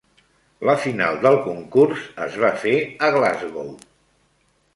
La final del concurs es va fer a Glasgow.